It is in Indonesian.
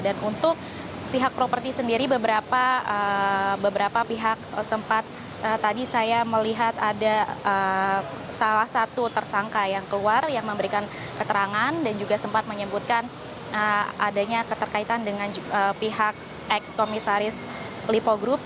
dan untuk pihak properti sendiri beberapa pihak sempat tadi saya melihat ada salah satu tersangka yang keluar yang memberikan keterangan dan juga sempat menyebutkan adanya keterkaitan dengan pihak ex komisaris lipo group